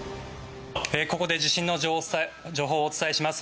ここで地震の情報をお伝えします。